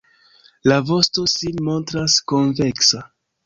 La vosto sin montras konveksa.